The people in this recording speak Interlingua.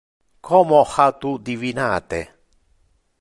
Como ha tu divinate?